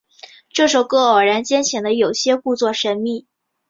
这首歌偶然间显得有些故作神秘。